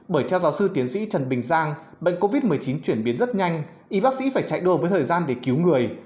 bởi theo giáo sư tiến sĩ trần bình giang bệnh covid một mươi chín chuyển biến rất nhanh y bác sĩ phải chạy đua với thời gian để cứu người